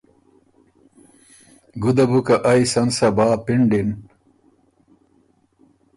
ګُده بُو که ائ سن صبا پِنډِن